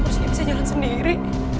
kurusnya bisa jalan sendiri